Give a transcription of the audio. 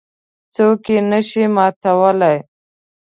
څوک یې نه شي ماتولای.